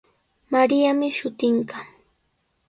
Mariami shutinqa.